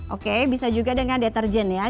oke bisa juga dengan deterjen ya